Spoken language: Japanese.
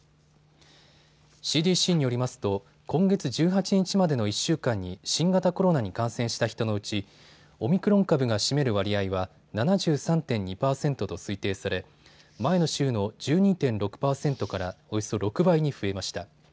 ＣＤＣによりますと今月１８日までの１週間に新型コロナに感染した人のうちオミクロン株が占める割合は７３．２％と推定され前の週の１２．６％からおよそ６倍に増えました。